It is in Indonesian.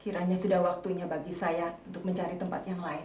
kiranya sudah waktunya bagi saya untuk mencari tempat yang lain